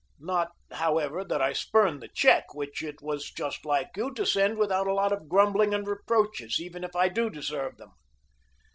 Not, however, that I spurn the check, which it was just like you to send without a lot of grumbling and reproaches, even if I do deserve them.